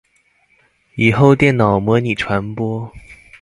以後電腦模擬傳播